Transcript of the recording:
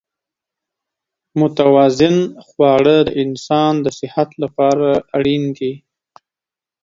متوازن خواړه د انسان د صحت لپاره اړین دي.